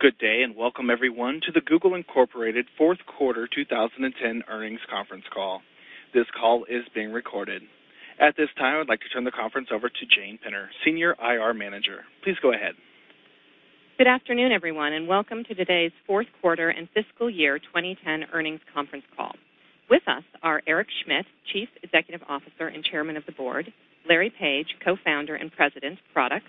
Good day and welcome everyone to the Google Incorporated Fourth Quarter 2010 Earnings Conference Call. This call is being recorded. At this time, I'd like to turn the conference over to Jane Penner, Senior IR Manager. Please go ahead. Good afternoon everyone and welcome to today's Fourth Quarter and Fiscal Year 2010 Earnings Conference Call. With us are Eric Schmidt, Chief Executive Officer and Chairman of the Board, Larry Page, Co-Founder and President, Product,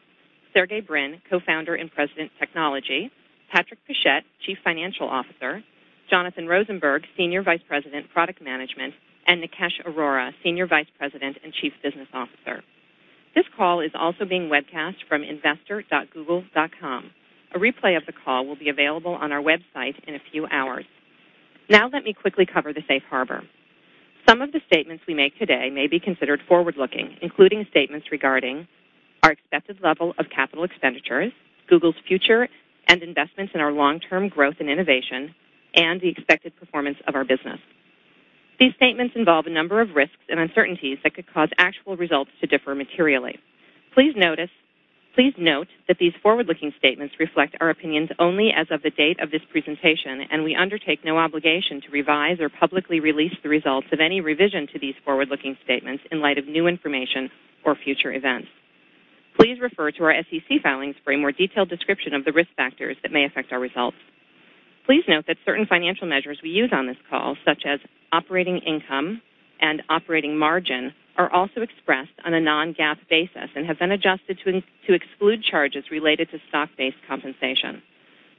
Sergey Brin, Co-Founder and President, Technology, Patrick Pichette, Chief Financial Officer, Jonathan Rosenberg, Senior Vice President, Product Management, and Nikesh Arora, Senior Vice President and Chief Business Officer. This call is also being webcast from investor.google.com. A replay of the call will be available on our website in a few hours. Now let me quickly cover the Safe Harbor. Some of the statements we make today may be considered forward-looking, including statements regarding our expected level of capital expenditures, Google's future and investments in our long-term growth and innovation, and the expected performance of our business. These statements involve a number of risks and uncertainties that could cause actual results to differ materially. Please note that these forward-looking statements reflect our opinions only as of the date of this presentation, and we undertake no obligation to revise or publicly release the results of any revision to these forward-looking statements in light of new information or future events. Please refer to our SEC filings for a more detailed description of the risk factors that may affect our results. Please note that certain financial measures we use on this call, such as operating income and operating margin, are also expressed on a non-GAAP basis and have been adjusted to exclude charges related to stock-based compensation.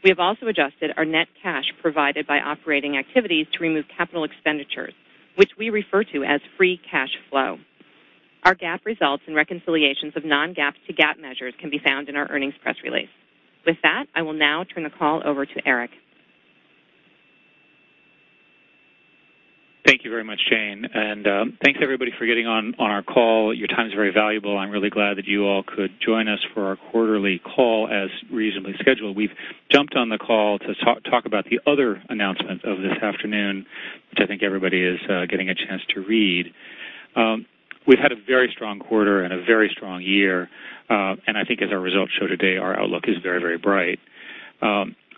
We have also adjusted our net cash provided by operating activities to remove capital expenditures, which we refer to as free cash flow. Our GAAP results and reconciliations of non-GAAP to GAAP measures can be found in our earnings press release. With that, I will now turn the call over to Eric. Thank you very much, Jane, and thanks everybody for getting on our call. Your time is very valuable. I'm really glad that you all could join us for our quarterly call as reasonably scheduled. We've jumped on the call to talk about the other announcements of this afternoon, which I think everybody is getting a chance to read. We've had a very strong quarter and a very strong year, and I think as our results show today, our outlook is very, very bright.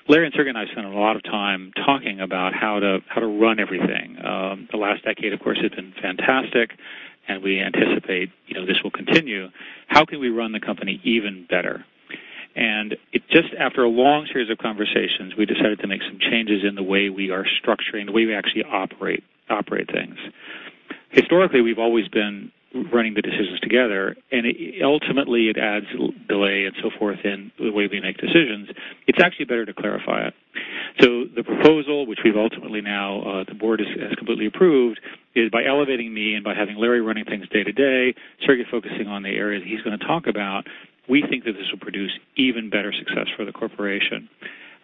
Larry and Sergey and I spent a lot of time talking about how to run everything. The last decade, of course, has been fantastic, and we anticipate this will continue. How can we run the company even better? And just after a long series of conversations, we decided to make some changes in the way we are structuring, the way we actually operate things. Historically, we've always been running the decisions together, and ultimately it adds delay and so forth in the way we make decisions. It's actually better to clarify it. So the proposal, which we've ultimately now, the board has completely approved, is by elevating me and by having Larry running things day to day, Sergey focusing on the areas he's going to talk about, we think that this will produce even better success for the corporation.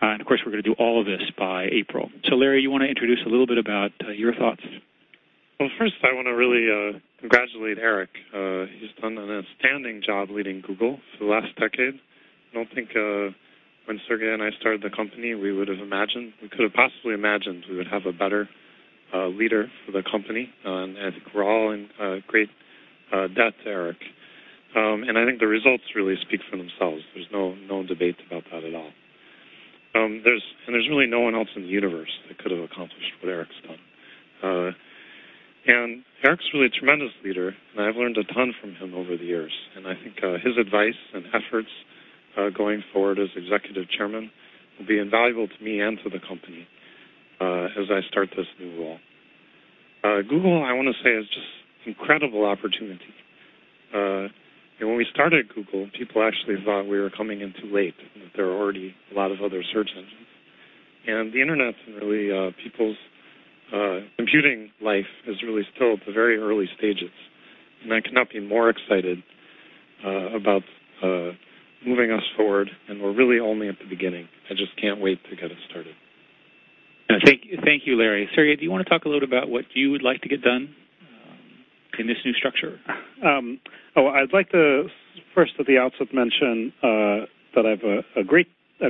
And of course, we're going to do all of this by April. So Larry, you want to introduce a little bit about your thoughts? First, I want to really congratulate Eric. He's done an outstanding job leading Google for the last decade. I don't think when Sergey and I started the company, we would have imagined, we could have possibly imagined we would have a better leader for the company. And I think we're all in great debt, Eric. And I think the results really speak for themselves. There's no debate about that at all. And there's really no one else in the universe that could have accomplished what Eric's done. And Eric's really a tremendous leader, and I've learned a ton from him over the years. And I think his advice and efforts going forward as Executive Chairman will be invaluable to me and to the company as I start this new role. Google, I want to say, is just an incredible opportunity. When we started Google, people actually thought we were coming in too late, that there were already a lot of other search engines, and the internet and really people's computing life is really still at the very early stages, and I could not be more excited about moving us forward, and we're really only at the beginning. I just can't wait to get us started. Thank you, Larry. Sergey, do you want to talk a little bit about what you would like to get done in this new structure? Oh, I'd like to first at the outset mention that I've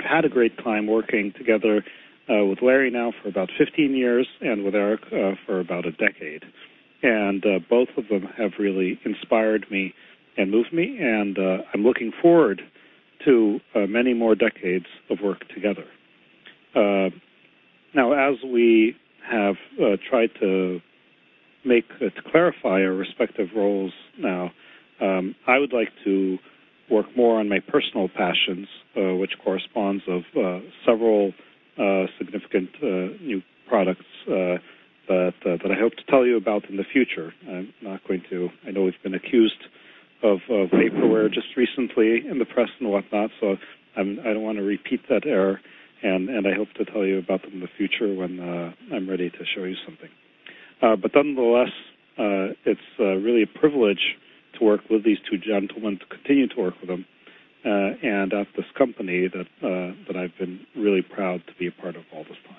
had a great time working together with Larry now for about 15 years and with Eric for about a decade, and both of them have really inspired me and moved me, and I'm looking forward to many more decades of work together. Now, as we have tried to clarify our respective roles now, I would like to work more on my personal passions, which corresponds to several significant new products that I hope to tell you about in the future. I'm not going to, I know we've been accused of vaporware just recently in the press and whatnot, so I don't want to repeat that error, and I hope to tell you about them in the future when I'm ready to show you something. But nonetheless, it's really a privilege to work with these two gentlemen, to continue to work with them, and at this company that I've been really proud to be a part of all this time.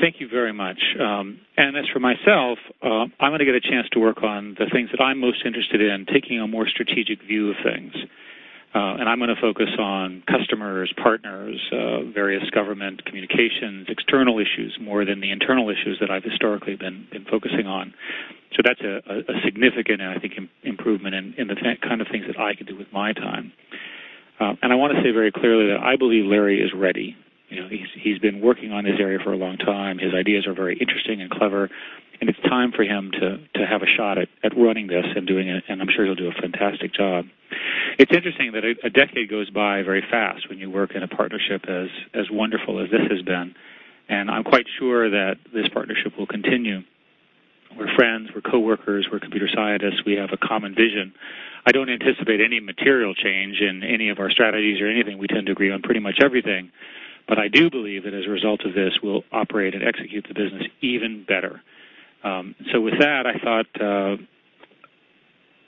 Thank you very much. And as for myself, I'm going to get a chance to work on the things that I'm most interested in, taking a more strategic view of things. And I'm going to focus on customers, partners, various government communications, external issues more than the internal issues that I've historically been focusing on. So that's a significant, I think, improvement in the kind of things that I can do with my time. And I want to say very clearly that I believe Larry is ready. He's been working on this area for a long time. His ideas are very interesting and clever, and it's time for him to have a shot at running this and doing it, and I'm sure he'll do a fantastic job. It's interesting that a decade goes by very fast when you work in a partnership as wonderful as this has been, and I'm quite sure that this partnership will continue. We're friends, we're co-workers, we're computer scientists, we have a common vision. I don't anticipate any material change in any of our strategies or anything. We tend to agree on pretty much everything, but I do believe that as a result of this, we'll operate and execute the business even better. So with that, I thought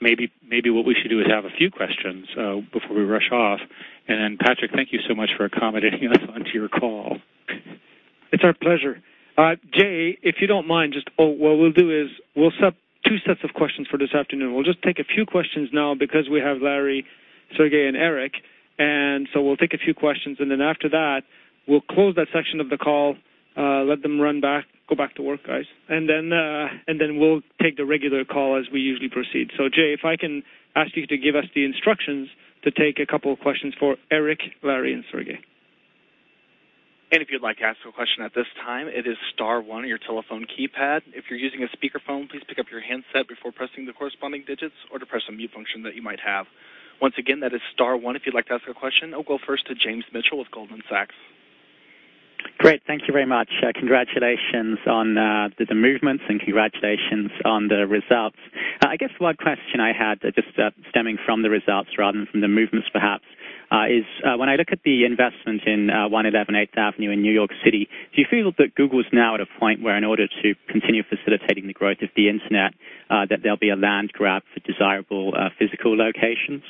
maybe what we should do is have a few questions before we rush off. And then Patrick, thank you so much for accommodating us onto your call. It's our pleasure. Jane, if you don't mind, just what we'll do is we'll set up two sets of questions for this afternoon. We'll just take a few questions now because we have Larry, Sergey, and Eric. And so we'll take a few questions, and then after that, we'll close that section of the call, let them run back, go back to work, guys, and then we'll take the regular call as we usually proceed. So Jane, if I can ask you to give us the instructions to take a couple of questions for Eric, Larry, and Sergey. If you'd like to ask a question at this time, it is star one on your telephone keypad. If you're using a speakerphone, please pick up your handset before pressing the corresponding digits or to press a mute function that you might have. Once again, that is star one if you'd like to ask a question. I'll go first to James Mitchell with Goldman Sachs. Great. Thank you very much. Congratulations on the movements and congratulations on the results. I guess one question I had just stemming from the results rather than from the movements, perhaps, is when I look at the investment in 111 Eighth Avenue in New York City, do you feel that Google's now at a point where in order to continue facilitating the growth of the internet, that there'll be a land grab for desirable physical locations?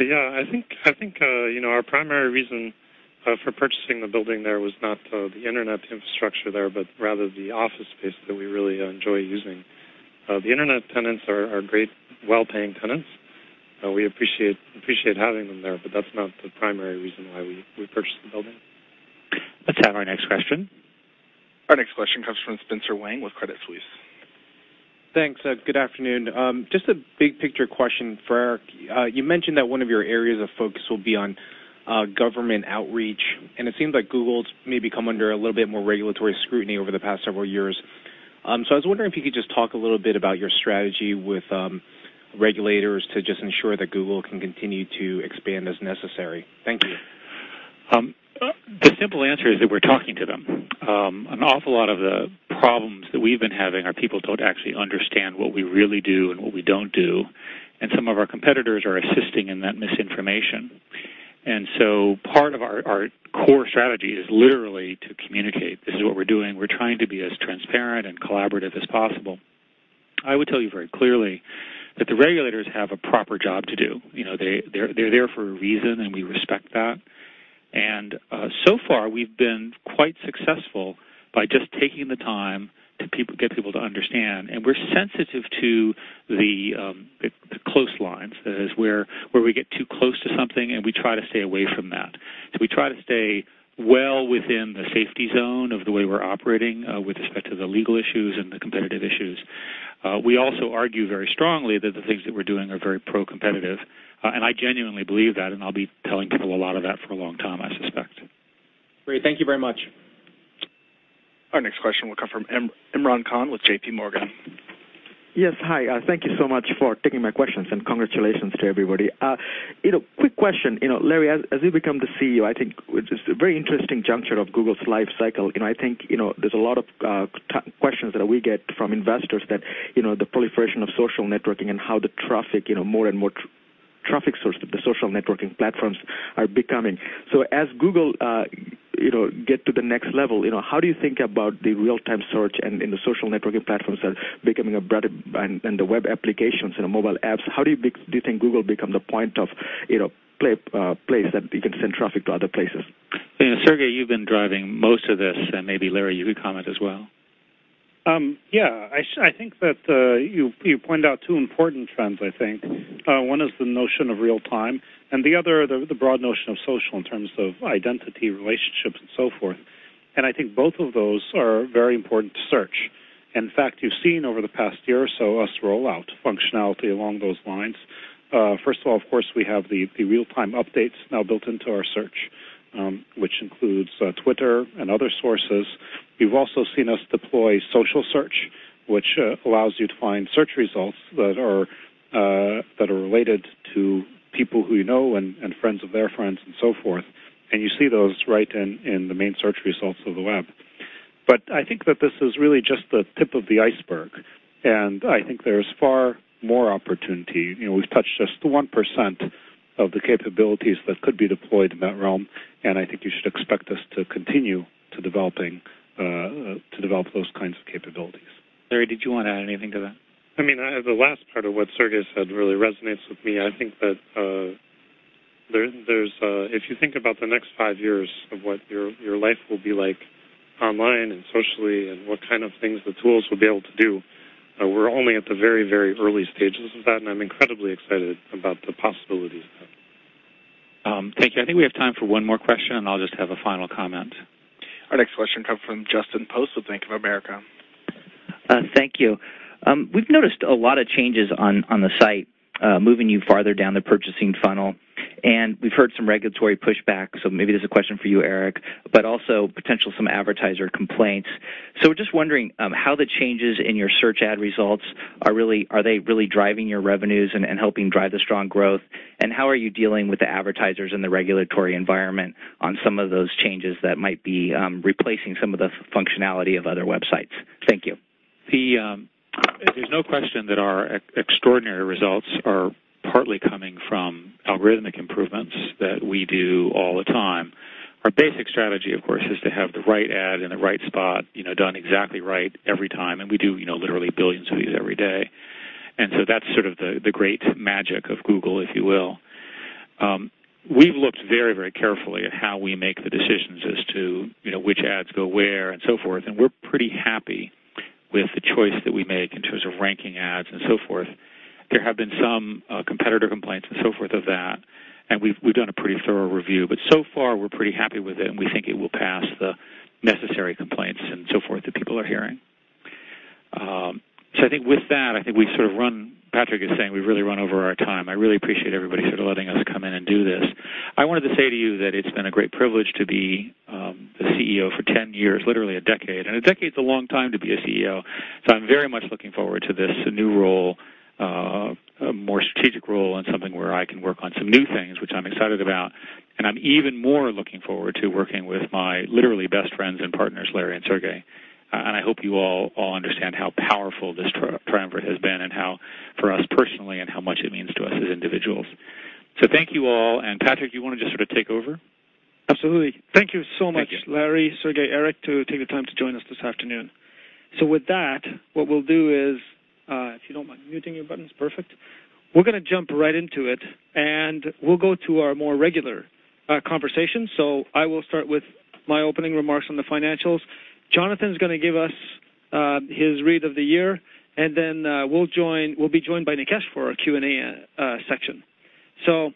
Yeah. I think our primary reason for purchasing the building there was not the internet infrastructure there, but rather the office space that we really enjoy using. The internet tenants are great, well-paying tenants. We appreciate having them there, but that's not the primary reason why we purchased the building. Let's have our next question. Our next question comes from Spencer Wang with Credit Suisse. Thanks. Good afternoon. Just a big picture question for Eric. You mentioned that one of your areas of focus will be on government outreach, and it seems like Google's maybe come under a little bit more regulatory scrutiny over the past several years. So I was wondering if you could just talk a little bit about your strategy with regulators to just ensure that Google can continue to expand as necessary. Thank you. The simple answer is that we're talking to them. An awful lot of the problems that we've been having are people don't actually understand what we really do and what we don't do, and some of our competitors are assisting in that misinformation, and so part of our core strategy is literally to communicate, "This is what we're doing. We're trying to be as transparent and collaborative as possible." I would tell you very clearly that the regulators have a proper job to do. They're there for a reason, and we respect that, and so far, we've been quite successful by just taking the time to get people to understand, and we're sensitive to the close lines, where we get too close to something, and we try to stay away from that. So we try to stay well within the safety zone of the way we're operating with respect to the legal issues and the competitive issues. We also argue very strongly that the things that we're doing are very pro-competitive, and I genuinely believe that, and I'll be telling people a lot of that for a long time, I suspect. Great. Thank you very much. Our next question will come from Imran Khan with JPMorgan. Yes. Hi. Thank you so much for taking my questions, and congratulations to everybody. Quick question. Larry, as you become the CEO, I think it's a very interesting juncture of Google's life cycle. I think there's a lot of questions that we get from investors [about] the proliferation of social networking and how the traffic, more and more traffic sources, the social networking platforms are becoming. So as Google gets to the next level, how do you think about the real-time search and the social networking platforms that are becoming the bread and butter of the web applications and the mobile apps? How do you think Google becomes the central place that you can send traffic to other places? Sergey, you've been driving most of this, and maybe Larry, you could comment as well. Yeah. I think that you point out two important trends, I think. One is the notion of real-time, and the other is the broad notion of social in terms of identity, relationships, and so forth, and I think both of those are very important to search. In fact, you've seen over the past year or so us roll out functionality along those lines. First of all, of course, we have the real-time updates now built into our search, which includes Twitter and other sources. You've also seen us deploy Social Search, which allows you to find search results that are related to people who you know and friends of their friends and so forth, and you see those right in the main search results of the web, but I think that this is really just the tip of the iceberg, and I think there's far more opportunity. We've touched just 1% of the capabilities that could be deployed in that realm, and I think you should expect us to continue to develop those kinds of capabilities. Larry, did you want to add anything to that? I mean, the last part of what Sergey said really resonates with me. I think that if you think about the next five years of what your life will be like online and socially and what kind of things the tools will be able to do, we're only at the very, very early stages of that, and I'm incredibly excited about the possibilities. Thank you. I think we have time for one more question, and I'll just have a final comment. Our next question comes from Justin Post with Bank of America. Thank you. We've noticed a lot of changes on the site, moving you farther down the purchasing funnel, and we've heard some regulatory pushback. So maybe there's a question for you, Eric, but also potential some advertiser complaints. So we're just wondering how the changes in your search ad results are really, are they really driving your revenues and helping drive the strong growth? And how are you dealing with the advertisers in the regulatory environment on some of those changes that might be replacing some of the functionality of other websites? Thank you. There's no question that our extraordinary results are partly coming from algorithmic improvements that we do all the time. Our basic strategy, of course, is to have the right ad in the right spot done exactly right every time, and we do literally billions of these every day. And so that's sort of the great magic of Google, if you will. We've looked very, very carefully at how we make the decisions as to which ads go where and so forth, and we're pretty happy with the choice that we make in terms of ranking ads and so forth. There have been some competitor complaints and so forth of that, and we've done a pretty thorough review. But so far, we're pretty happy with it, and we think it will pass the necessary complaints and so forth that people are hearing. So I think with that, I think we've sort of run, Patrick is saying we've really run over our time. I really appreciate everybody sort of letting us come in and do this. I wanted to say to you that it's been a great privilege to be the CEO for 10 years, literally a decade, and a decade is a long time to be a CEO, so I'm very much looking forward to this new role, a more strategic role and something where I can work on some new things, which I'm excited about, and I'm even more looking forward to working with my literally best friends and partners, Larry and Sergey. And I hope you all understand how powerful this triumvirate has been and how, for us personally, and how much it means to us as individuals, so thank you all. Patrick, do you want to just sort of take over? Absolutely. Thank you so much, Larry, Sergey, Eric, to take the time to join us this afternoon. So with that, what we'll do is, if you don't mind muting your buttons, perfect. We're going to jump right into it, and we'll go to our more regular conversation. So I will start with my opening remarks on the financials. Jonathan's going to give us his read of the year, and then we'll be joined by Nikesh for our Q&A section. So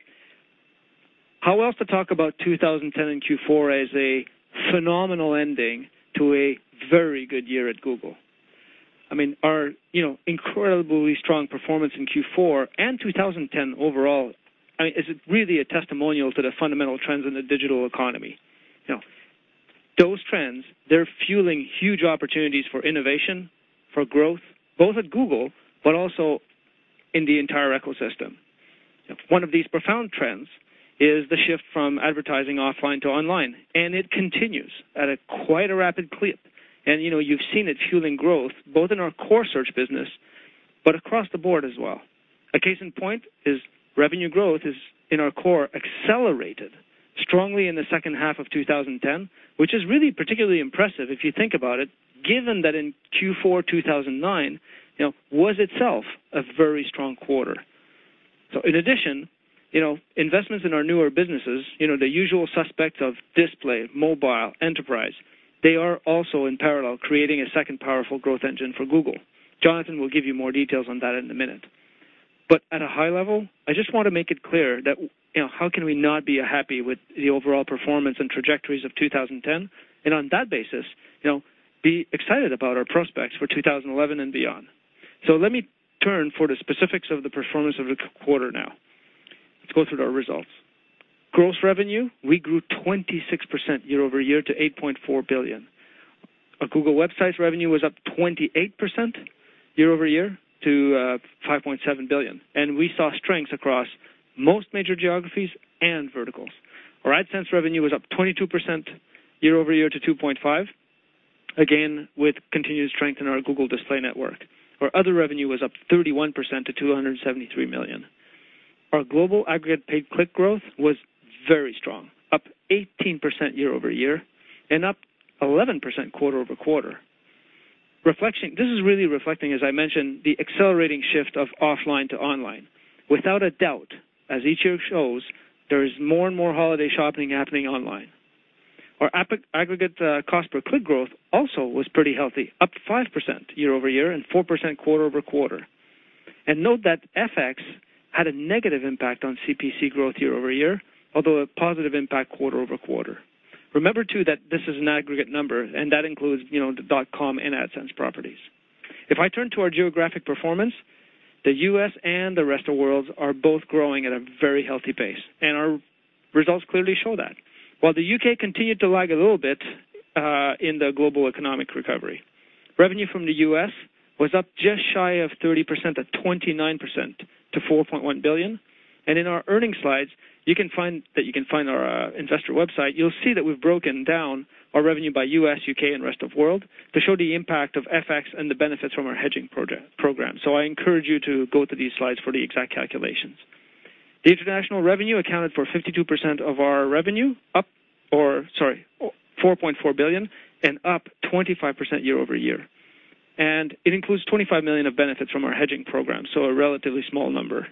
how else to talk about 2010 and Q4 as a phenomenal ending to a very good year at Google? I mean, our incredibly strong performance in Q4 and 2010 overall, I mean, is really a testimonial to the fundamental trends in the digital economy. Those trends, they're fueling huge opportunities for innovation, for growth, both at Google but also in the entire ecosystem. One of these profound trends is the shift from advertising offline to online, and it continues at quite a rapid clip. You've seen it fueling growth both in our core search business but across the board as well. A case in point is revenue growth, in our core, accelerated strongly in the second half of 2010, which is really particularly impressive if you think about it, given that Q4 2009 was itself a very strong quarter. So in addition, investments in our newer businesses, the usual suspects of Display, Mobile, Enterprise, they are also in parallel creating a second powerful growth engine for Google. Jonathan will give you more details on that in a minute. But at a high level, I just want to make it clear that how can we not be happy with the overall performance and trajectories of 2010? And on that basis, be excited about our prospects for 2011 and beyond. So let me turn for the specifics of the performance of the quarter now. Let's go through our results. Gross revenue, we grew 26% year over year to $8.4 billion. Our Google website revenue was up 28% year over year to $5.7 billion, and we saw strengths across most major geographies and verticals. Our AdSense revenue was up 22% year over year to $2.5 billion, again with continued strength in our Google Display Network. Our other revenue was up 31% to $273 million. Our global aggregate paid click growth was very strong, up 18% year over year and up 11% quarter over quarter. This is really reflecting, as I mentioned, the accelerating shift of offline to online. Without a doubt, as each year shows, there is more and more holiday shopping happening online. Our aggregate cost per click growth also was pretty healthy, up 5% year over year and 4% quarter over quarter. And note that FX had a negative impact on CPC growth year over year, although a positive impact quarter over quarter. Remember too that this is an aggregate number, and that includes dot-com and AdSense properties. If I turn to our geographic performance, the U.S. and the rest of the world are both growing at a very healthy pace, and our results clearly show that. While the U.K. continued to lag a little bit in the global economic recovery, revenue from the U.S. was up just shy of 30% at 29% to $4.1 billion. And in our earnings slides, you can find our investor website. You'll see that we've broken down our revenue by U.S., U.K., and rest of the world to show the impact of FX and the benefits from our hedging program. So I encourage you to go to these slides for the exact calculations. The international revenue accounted for 52% of our revenue, up, or sorry, $4.4 billion and up 25% year over year, and it includes $25 million of benefits from our hedging program, so a relatively small number.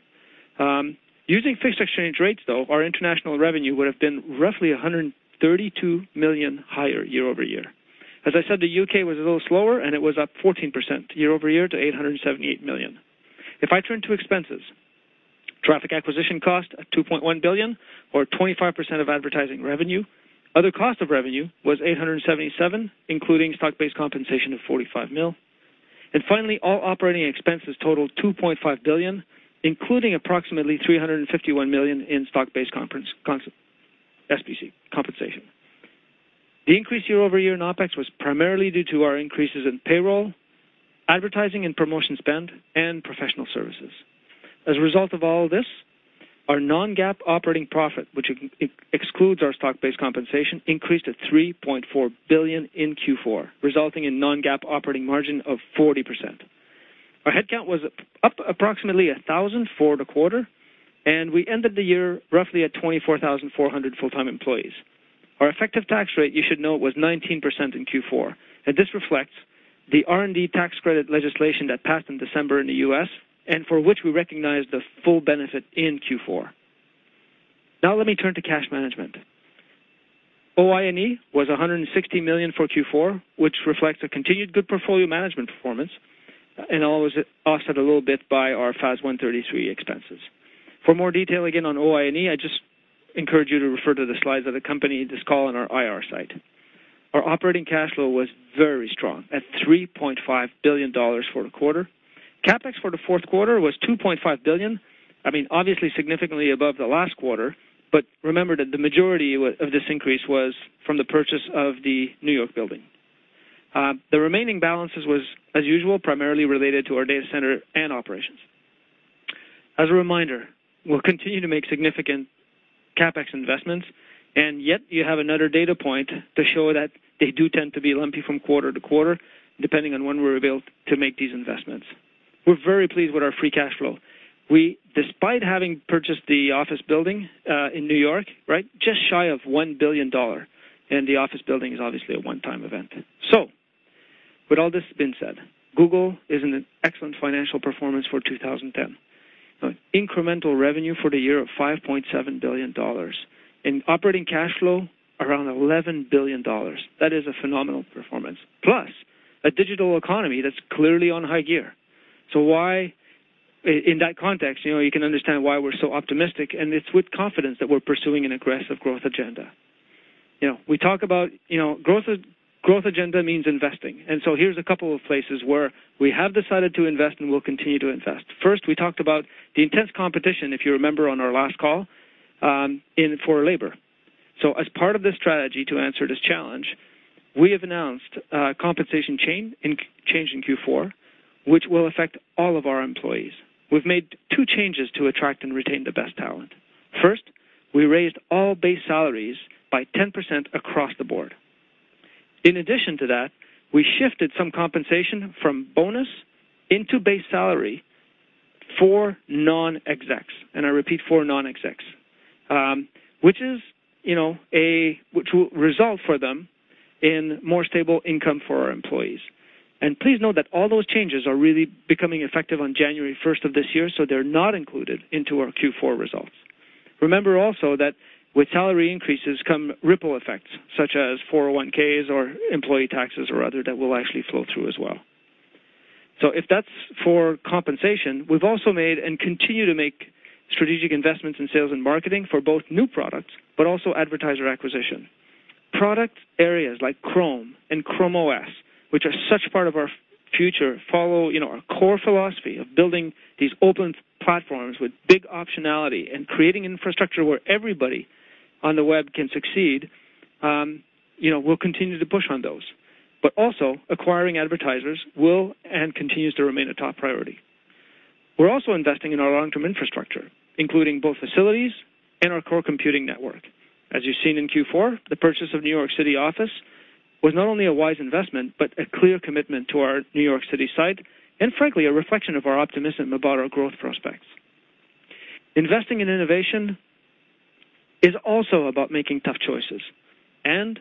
Using fixed exchange rates, though, our international revenue would have been roughly $132 million higher year over year. As I said, the U.K. was a little slower, and it was up 14% year over year to $878 million. If I turn to expenses, traffic acquisition cost at $2.1 billion or 25% of advertising revenue. Other cost of revenue was $877 million, including stock-based compensation of $45 million. And finally, all operating expenses totaled $2.5 billion, including approximately $351 million in stock-based compensation. The increase year over year in OpEx was primarily due to our increases in payroll, advertising and promotion spend, and professional services. As a result of all this, our non-GAAP operating profit, which excludes our stock-based compensation, increased to $3.4 billion in Q4, resulting in non-GAAP operating margin of 40%. Our headcount was up approximately 1,000 forward a quarter, and we ended the year roughly at 24,400 full-time employees. Our effective tax rate, you should know, was 19% in Q4, and this reflects the R&D tax credit legislation that passed in December in the U.S. and for which we recognized the full benefit in Q4. Now let me turn to cash management. OI&E was $160 million for Q4, which reflects a continued good portfolio management performance, and I'll also offset that a little bit by our FAS 133 expenses. For more detail again on OI&E, I just encourage you to refer to the slides that accompany this call on our IR site. Our operating cash flow was very strong at $3.5 billion for the quarter. CapEx for the fourth quarter was $2.5 billion. I mean, obviously significantly above the last quarter, but remember that the majority of this increase was from the purchase of the New York building. The remaining balance was, as usual, primarily related to our data center and operations. As a reminder, we'll continue to make significant CapEx investments, and yet you have another data point to show that they do tend to be lumpy from quarter to quarter depending on when we're able to make these investments. We're very pleased with our free cash flow. We, despite having purchased the office building in New York, right, just shy of $1 billion, and the office building is obviously a one-time event. So with all this being said, Google is in excellent financial performance for 2010. Incremental revenue for the year of $5.7 billion and operating cash flow around $11 billion. That is a phenomenal performance, plus a digital economy that's clearly on high gear. So why, in that context, you can understand why we're so optimistic, and it's with confidence that we're pursuing an aggressive growth agenda. We talk about growth agenda means investing, and so here's a couple of places where we have decided to invest and we'll continue to invest. First, we talked about the intense competition, if you remember, on our last call for labor. So as part of this strategy to answer this challenge, we have announced a compensation change in Q4, which will affect all of our employees. We've made two changes to attract and retain the best talent. First, we raised all base salaries by 10% across the board. In addition to that, we shifted some compensation from bonus into base salary for non-execs, and I repeat, for non-execs, which will result for them in more stable income for our employees, and please note that all those changes are really becoming effective on January 1st of this year, so they're not included into our Q4 results. Remember also that with salary increases come ripple effects such as 401(k)s or employee taxes or other that will actually flow through as well. So if that's for compensation, we've also made and continue to make strategic investments in sales and marketing for both new products but also advertiser acquisition. Product areas like Chrome and Chrome OS, which are such a part of our future, follow our core philosophy of building these open platforms with big optionality and creating infrastructure where everybody on the web can succeed. We'll continue to push on those. But also, acquiring advertisers will continue and continues to remain a top priority. We're also investing in our long-term infrastructure, including both facilities and our core computing network. As you've seen in Q4, the purchase of the New York City office was not only a wise investment but a clear commitment to our New York City site and, frankly, a reflection of our optimism about our growth prospects. Investing in innovation is also about making tough choices, and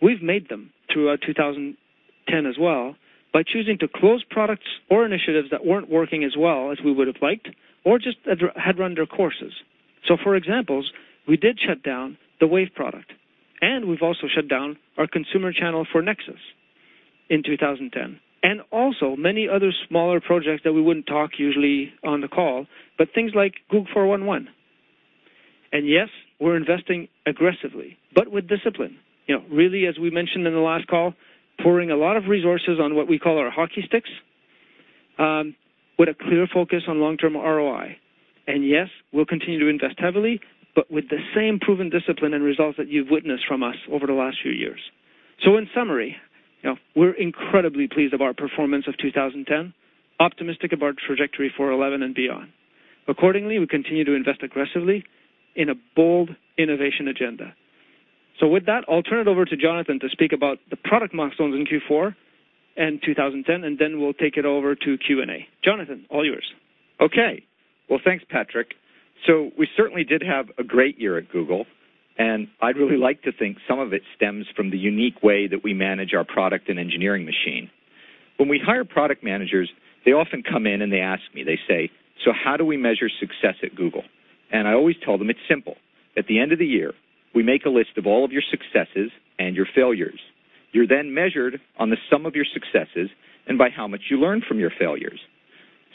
we've made them throughout 2010 as well by choosing to close products or initiatives that weren't working as well as we would have liked or just had run their courses. So for examples, we did shut down the Wave product, and we've also shut down our consumer channel for Nexus in 2010, and also many other smaller projects that we wouldn't talk usually on the call, but things like Google 411. And yes, we're investing aggressively but with discipline. Really, as we mentioned in the last call, pouring a lot of resources on what we call our hockey sticks with a clear focus on long-term ROI. And yes, we'll continue to invest heavily but with the same proven discipline and results that you've witnessed from us over the last few years. So in summary, we're incredibly pleased with our performance in 2010 and optimistic about our trajectory in 2011 and beyond. Accordingly, we continue to invest aggressively in a bold innovation agenda. So with that, I'll turn it over to Jonathan to speak about the product milestones in Q4 and 2010, and then we'll take it over to Q&A. Jonathan, all yours. Okay. Well, thanks, Patrick. So we certainly did have a great year at Google, and I'd really like to think some of it stems from the unique way that we manage our product and engineering machine. When we hire product managers, they often come in and they ask me, they say, "So how do we measure success at Google?" And I always tell them, "It's simple. At the end of the year, we make a list of all of your successes and your failures. You're then measured on the sum of your successes and by how much you learned from your failures."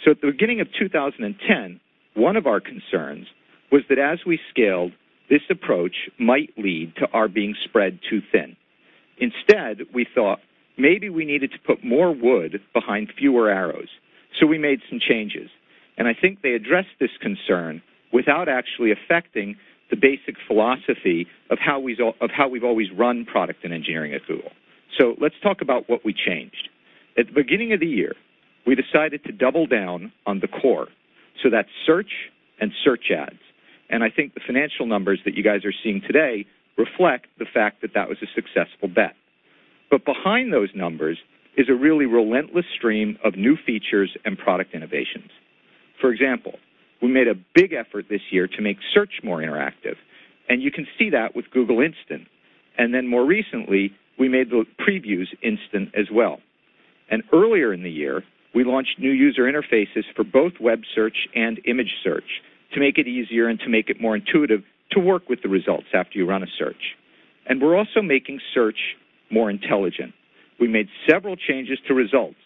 So at the beginning of 2010, one of our concerns was that as we scaled, this approach might lead to our being spread too thin. Instead, we thought maybe we needed to put more wood behind fewer arrows, so we made some changes. And I think they addressed this concern without actually affecting the basic philosophy of how we've always run product and engineering at Google. So let's talk about what we changed. At the beginning of the year, we decided to double down on the core so that search and search ads, and I think the financial numbers that you guys are seeing today reflect the fact that that was a successful bet. But behind those numbers is a really relentless stream of new features and product innovations. For example, we made a big effort this year to make search more interactive, and you can see that with Google Instant. And then more recently, we made the previews instant as well. And earlier in the year, we launched new user interfaces for both web search and image search to make it easier and to make it more intuitive to work with the results after you run a search. And we're also making search more intelligent. We made several changes to results,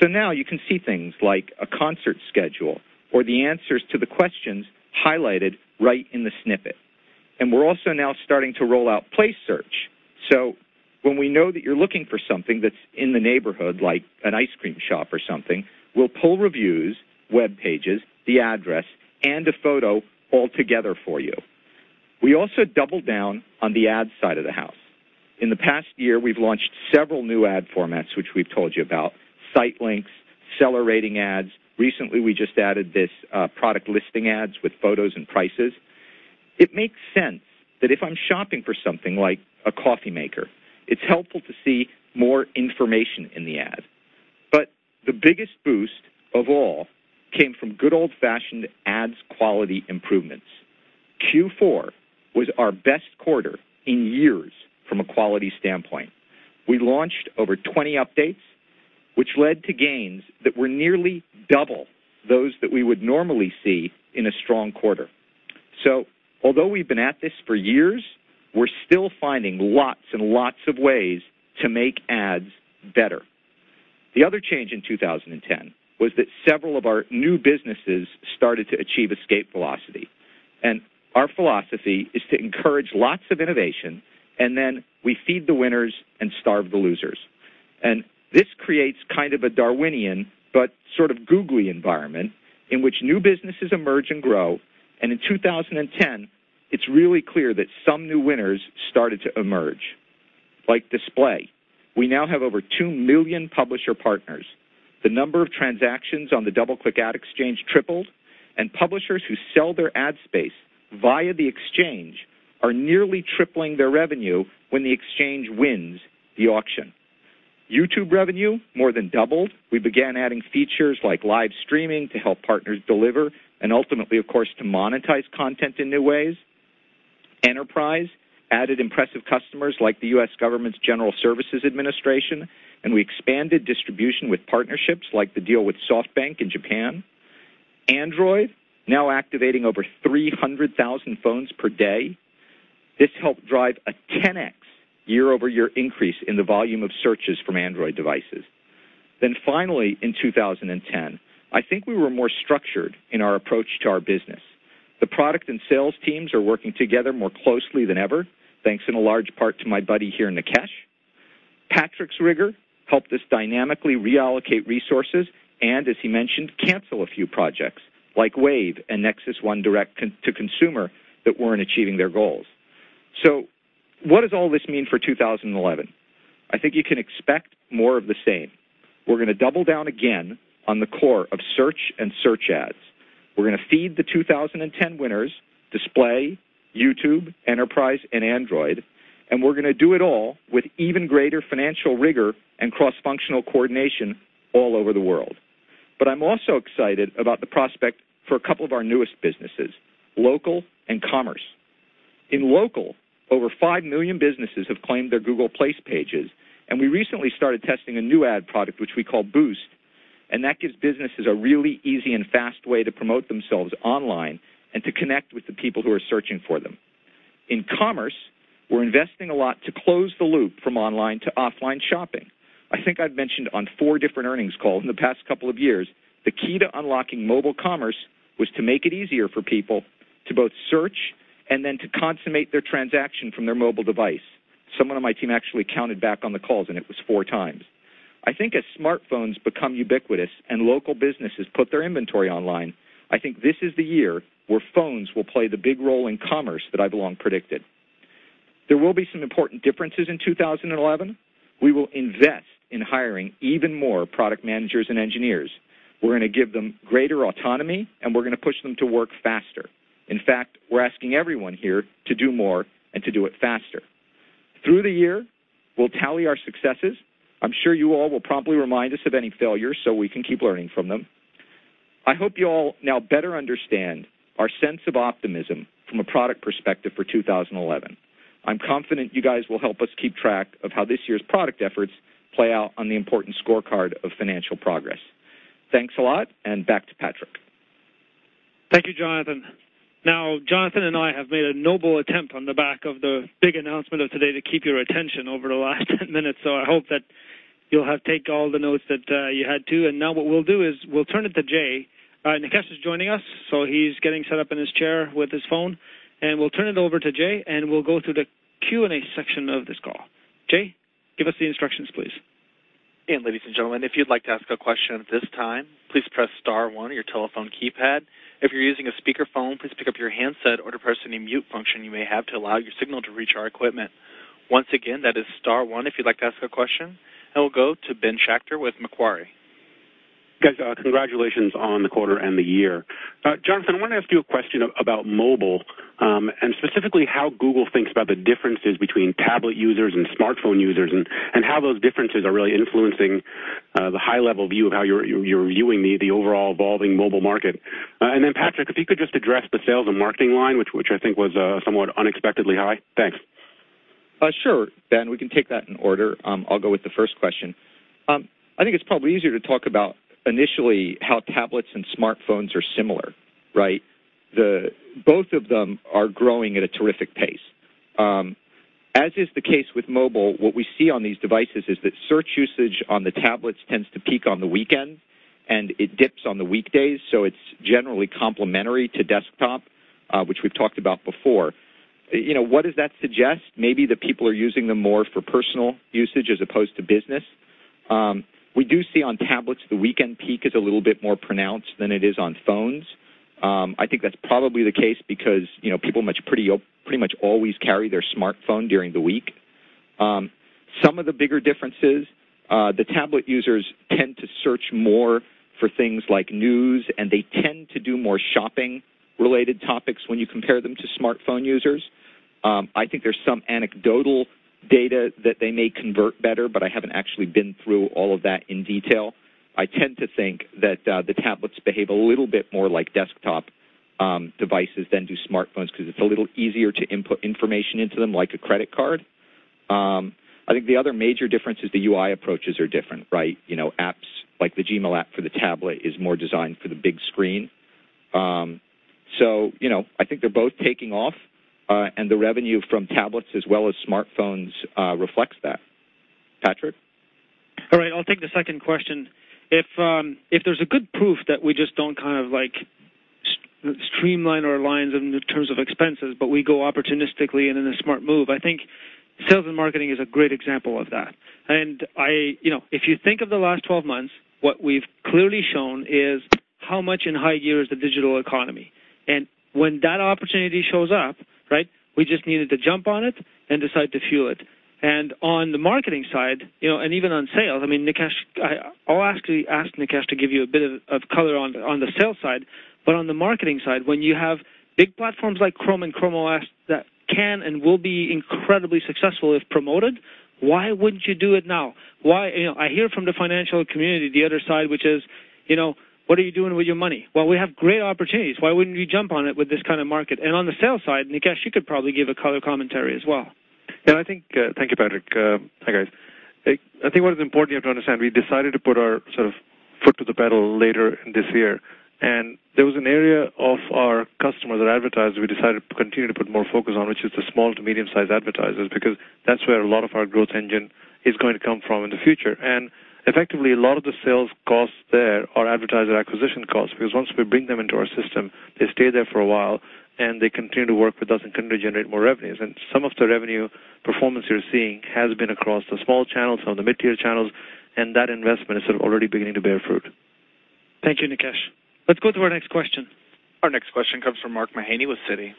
so now you can see things like a concert schedule or the answers to the questions highlighted right in the snippet. And we're also now starting to roll out Place Search. So when we know that you're looking for something that's in the neighborhood, like an ice cream shop or something, we'll pull reviews, web pages, the address, and a photo all together for you. We also doubled down on the ad side of the house. In the past year, we've launched several new ad formats, which we've told you about: Sitelinks, seller rating ads. Recently, we just added this Product Listing Ads with photos and prices. It makes sense that if I'm shopping for something like a coffee maker, it's helpful to see more information in the ad. But the biggest boost of all came from good old-fashioned ads quality improvements. Q4 was our best quarter in years from a quality standpoint. We launched over 20 updates, which led to gains that were nearly double those that we would normally see in a strong quarter. So although we've been at this for years, we're still finding lots and lots of ways to make ads better. The other change in 2010 was that several of our new businesses started to achieve escape velocity. And our philosophy is to encourage lots of innovation, and then we feed the winners and starve the losers. And this creates kind of a Darwinian but sort of googly environment in which new businesses emerge and grow. And in 2010, it's really clear that some new winners started to emerge, like Display. We now have over 2 million publisher partners. The number of transactions on the DoubleClick Ad Exchange tripled, and publishers who sell their ad space via the exchange are nearly tripling their revenue when the exchange wins the auction. YouTube revenue more than doubled. We began adding features like live streaming to help partners deliver and ultimately, of course, to monetize content in new ways. Enterprise added impressive customers like the U.S. government's General Services Administration, and we expanded distribution with partnerships like the deal with SoftBank in Japan. Android now activating over 300,000 phones per day. This helped drive a 10x year-over-year increase in the volume of searches from Android devices. Then finally, in 2010, I think we were more structured in our approach to our business. The product and sales teams are working together more closely than ever, thanks in a large part to my buddy here, Nikesh. Patrick's rigor helped us dynamically reallocate resources and, as he mentioned, cancel a few projects like Wave and Nexus One direct to consumer that weren't achieving their goals. So what does all this mean for 2011? I think you can expect more of the same. We're going to double down again on the core of search and search ads. We're going to feed the 2010 winners Display, YouTube, Enterprise, and Android, and we're going to do it all with even greater financial rigor and cross-functional coordination all over the world. But I'm also excited about the prospect for a couple of our newest businesses: local and commerce. In local, over 5 million businesses have claimed their Google Places pages, and we recently started testing a new ad product, which we call Boost, and that gives businesses a really easy and fast way to promote themselves online and to connect with the people who are searching for them. In commerce, we're investing a lot to close the loop from online to offline shopping. I think I've mentioned on four different earnings calls in the past couple of years, the key to unlocking mobile commerce was to make it easier for people to both search and then to consummate their transaction from their mobile device. Someone on my team actually counted back on the calls, and it was four times. I think as smartphones become ubiquitous and local businesses put their inventory online, I think this is the year where phones will play the big role in commerce that I've long predicted. There will be some important differences in 2011. We will invest in hiring even more product managers and engineers. We're going to give them greater autonomy, and we're going to push them to work faster. In fact, we're asking everyone here to do more and to do it faster. Through the year, we'll tally our successes. I'm sure you all will promptly remind us of any failures so we can keep learning from them. I hope you all now better understand our sense of optimism from a product perspective for 2011. I'm confident you guys will help us keep track of how this year's product efforts play out on the important scorecard of financial progress. Thanks a lot, and back to Patrick. Thank you, Jonathan. Now, Jonathan and I have made a noble attempt on the back of the big announcement of today to keep your attention over the last 10 minutes, so I hope that you'll take all the notes that you had to. Now what we'll do is we'll turn it to Jane. Nikesh is joining us, so he's getting set up in his chair with his phone, and we'll turn it over to Jane, and we'll go through the Q&A section of this call. Jane, give us the instructions, please. Ladies and gentlemen, if you'd like to ask a question at this time, please press star one on your telephone keypad. If you're using a speakerphone, please pick up your handset or depress any mute function you may have to allow your signal to reach our equipment. Once again, that is star one if you'd like to ask a question, and we'll go to Ben Schachter with Macquarie. Guys, congratulations on the quarter and the year. Jonathan, I wanted to ask you a question about mobile and specifically how Google thinks about the differences between tablet users and smartphone users and how those differences are really influencing the high-level view of how you're viewing the overall evolving mobile market, and then, Patrick, if you could just address the sales and marketing line, which I think was somewhat unexpectedly high. Thanks. Sure, Ben, we can take that in order. I'll go with the first question. I think it's probably easier to talk about initially how tablets and smartphones are similar, right? Both of them are growing at a terrific pace. As is the case with mobile, what we see on these devices is that search usage on the tablets tends to peak on the weekend, and it dips on the weekdays, so it's generally complementary to desktop, which we've talked about before. What does that suggest? Maybe that people are using them more for personal usage as opposed to business. We do see on tablets the weekend peak is a little bit more pronounced than it is on phones. I think that's probably the case because people pretty much always carry their smartphone during the week. Some of the bigger differences, the tablet users tend to search more for things like news, and they tend to do more shopping-related topics when you compare them to smartphone users. I think there's some anecdotal data that they may convert better, but I haven't actually been through all of that in detail. I tend to think that the tablets behave a little bit more like desktop devices than do smartphones because it's a little easier to input information into them, like a credit card. I think the other major difference is the UI approaches are different, right? Apps like the Gmail app for the tablet is more designed for the big screen. So I think they're both taking off, and the revenue from tablets as well as smartphones reflects that. Patrick? All right. I'll take the second question. If there's a good proof that we just don't kind of streamline our lines in terms of expenses but we go opportunistically and in a smart move, I think sales and marketing is a great example of that. And if you think of the last 12 months, what we've clearly shown is how much in high gear is the digital economy. And when that opportunity shows up, right, we just needed to jump on it and decide to fuel it. And on the marketing side, and even on sales, I mean, Nikesh, I'll ask Nikesh to give you a bit of color on the sales side, but on the marketing side, when you have big platforms like Chrome and Chrome OS that can and will be incredibly successful if promoted, why wouldn't you do it now? I hear from the financial community the other side, which is, "What are you doing with your money?" Well, we have great opportunities. Why wouldn't you jump on it with this kind of market? And on the sales side, Nikesh, you could probably give a color commentary as well. Yeah, I think. Thank you, Patrick. Hi, guys. I think what is important, you have to understand, we decided to put our sort of foot to the pedal later this year, and there was an area of our customers or advertisers we decided to continue to put more focus on, which is the small to medium-sized advertisers because that's where a lot of our growth engine is going to come from in the future. And effectively, a lot of the sales costs there are advertiser acquisition costs because once we bring them into our system, they stay there for a while, and they continue to work with us and continue to generate more revenues. And some of the revenue performance you're seeing has been across the small channels, some of the mid-tier channels, and that investment is sort of already beginning to bear fruit. Thank you, Nikesh. Let's go to our next question. Our next question comes from Mark Mahaney with Citi.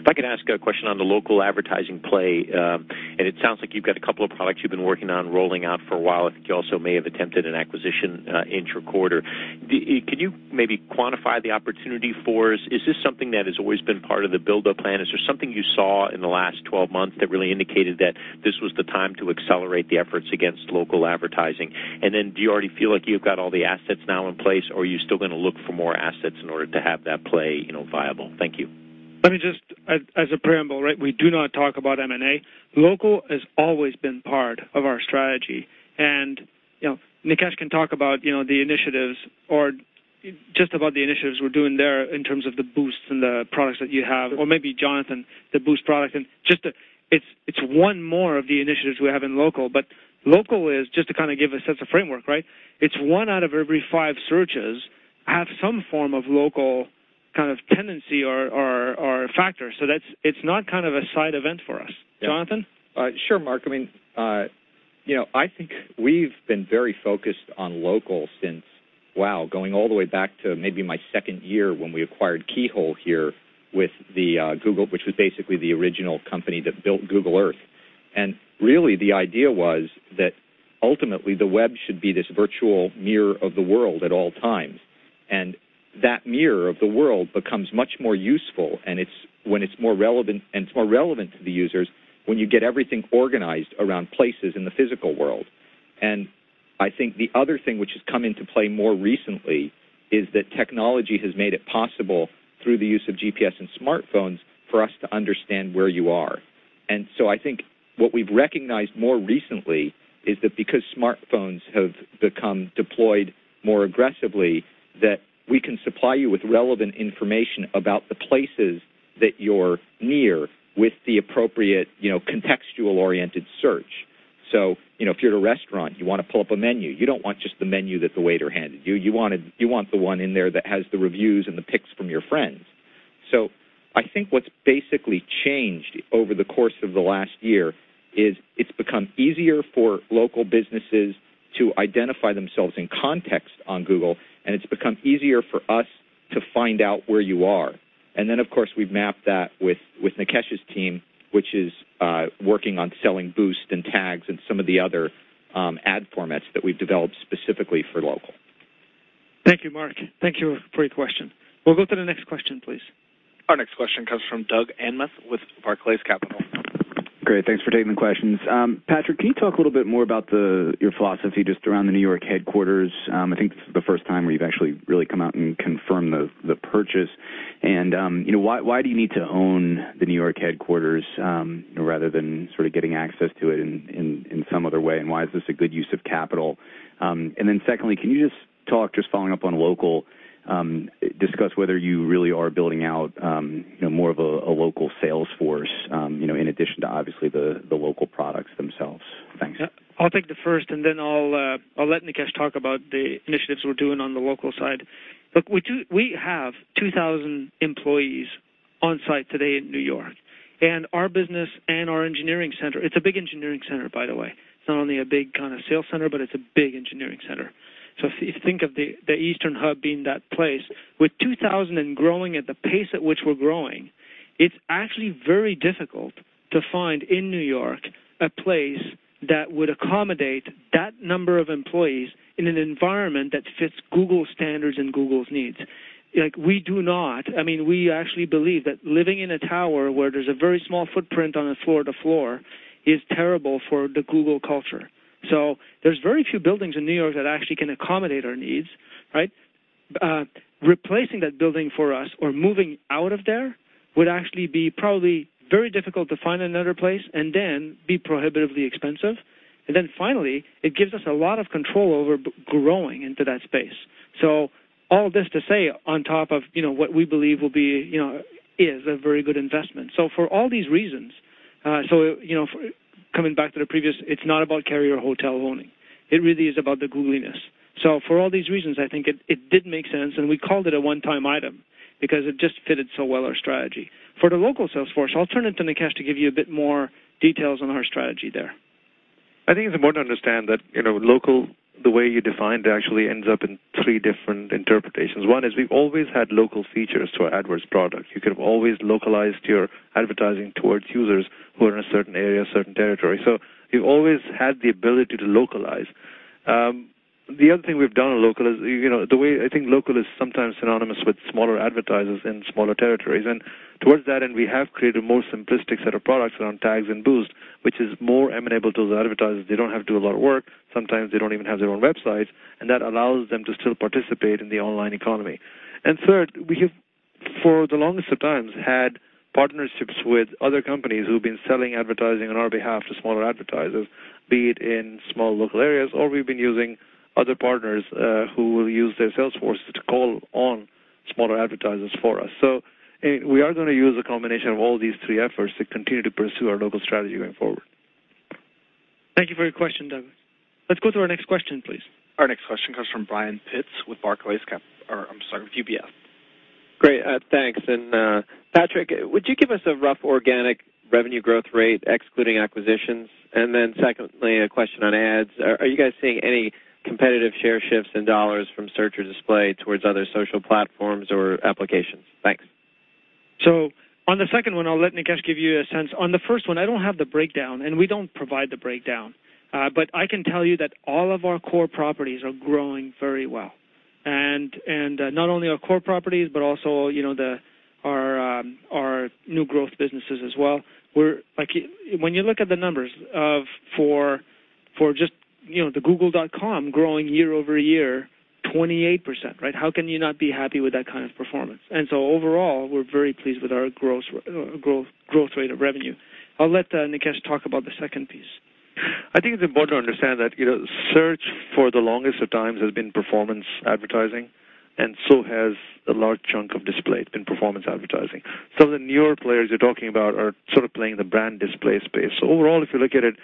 If I could ask a question on the local advertising play, and it sounds like you've got a couple of products you've been working on rolling out for a while. I think you also may have attempted an acquisition in the quarter. Could you maybe quantify the opportunity for us? Is this something that has always been part of the build-up plan? Is there something you saw in the last 12 months that really indicated that this was the time to accelerate the efforts against local advertising? And then do you already feel like you've got all the assets now in place, or are you still going to look for more assets in order to have that play viable? Thank you. Let me just, as a preamble, right, we do not talk about M&A. Local has always been part of our strategy, and Nikesh can talk about the initiatives or just about the initiatives we're doing there in terms of the Boost and the products that you have, or maybe Jonathan, the Boost product, and just it's one more of the initiatives we have in local, but local is, just to kind of give a sense of framework, right, it's one out of every five searches have some form of local kind of tendency or factor. So it's not kind of a side event for us. Jonathan? Sure, Mark. I mean, I think we've been very focused on local since, wow, going all the way back to maybe my second year when we acquired Keyhole, Inc. with Google, which was basically the original company that built Google Earth. And really, the idea was that ultimately the web should be this virtual mirror of the world at all times. And that mirror of the world becomes much more useful when it's more relevant to the users when you get everything organized around places in the physical world. And I think the other thing which has come into play more recently is that technology has made it possible through the use of GPS and smartphones for us to understand where you are. And so I think what we've recognized more recently is that because smartphones have become deployed more aggressively, that we can supply you with relevant information about the places that you're near with the appropriate contextual-oriented search. So if you're at a restaurant, you want to pull up a menu. You don't want just the menu that the waiter handed you. You want the one in there that has the reviews and the pics from your friends. So I think what's basically changed over the course of the last year is it's become easier for local businesses to identify themselves in context on Google, and it's become easier for us to find out where you are. And then, of course, we've mapped that with Nikesh's team, which is working on selling Boost and Tags and some of the other ad formats that we've developed specifically for local. Thank you, Mark. Thank you for your question. We'll go to the next question, please. Our next question comes from Doug Anmuth with Barclays Capital. Great. Thanks for taking the questions. Patrick, can you talk a little bit more about your philosophy just around the New York headquarters? I think this is the first time where you've actually really come out and confirmed the purchase. And why do you need to own the New York headquarters rather than sort of getting access to it in some other way? And why is this a good use of capital? And then secondly, can you just talk, just following up on local, discuss whether you really are building out more of a local sales force in addition to obviously the local products themselves? Thanks. I'll take the first, and then I'll let Nikesh talk about the initiatives we're doing on the local side. Look, we have 2,000 employees on site today in New York. And our business and our engineering center, it's a big engineering center, by the way. It's not only a big kind of sales center, but it's a big engineering center. So if you think of the Eastern Hub being that place, with 2,000 and growing at the pace at which we're growing, it's actually very difficult to find in New York a place that would accommodate that number of employees in an environment that fits Google's standards and Google's needs. We do not, I mean, we actually believe that living in a tower where there's a very small footprint on a floor-to-floor is terrible for the Google culture. So there's very few buildings in New York that actually can accommodate our needs, right? Replacing that building for us or moving out of there would actually be probably very difficult to find another place and then be prohibitively expensive. And then finally, it gives us a lot of control over growing into that space. So all this to say on top of what we believe will be a very good investment. So for all these reasons, so coming back to the previous, it's not about carrier hotel owning. It really is about the Googliness. So for all these reasons, I think it did make sense, and we called it a one-time item because it just fitted so well our strategy. For the local sales force, I'll turn it to Nikesh to give you a bit more details on our strategy there. I think it's important to understand that local, the way you defined it, actually ends up in three different interpretations. One is we've always had local features to our AdWords product. You could have always localized your advertising towards users who are in a certain area, a certain territory. So you've always had the ability to localize. The other thing we've done on local is the way I think local is sometimes synonymous with smaller advertisers in smaller territories. And towards that end, we have created a more simplistic set of products around Tags and Boost, which is more amenable to those advertisers. They don't have to do a lot of work. Sometimes they don't even have their own websites, and that allows them to still participate in the online economy. Third, we have, for the longest of times, had partnerships with other companies who've been selling advertising on our behalf to smaller advertisers, be it in small local areas, or we've been using other partners who will use their sales forces to call on smaller advertisers for us, so we are going to use a combination of all these three efforts to continue to pursue our local strategy going forward. Thank you for your question, Doug. Let's go to our next question, please. Our next question comes from Brian Pitz with Barclays, I'm sorry, with UBS. Great. Thanks. And Patrick, would you give us a rough organic revenue growth rate, excluding acquisitions? And then secondly, a question on ads. Are you guys seeing any competitive share shifts in dollars from search or Display towards other social platforms or applications? Thanks. So on the second one, I'll let Nikesh give you a sense. On the first one, I don't have the breakdown, and we don't provide the breakdown. But I can tell you that all of our core properties are growing very well. And not only our core properties, but also our new growth businesses as well. When you look at the numbers for just the Google.com growing year over year, 28%, right? How can you not be happy with that kind of performance? And so overall, we're very pleased with our growth rate of revenue. I'll let Nikesh talk about the second piece. I think it's important to understand that search for the longest of times has been performance advertising, and so has a large chunk of Display. It's been performance advertising. Some of the newer players you're talking about are sort of playing the brand Display space. So overall, if you look at it,